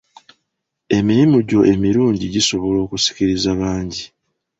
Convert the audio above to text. Emirimu gyo emirungi gisobola okusikiriza bangi.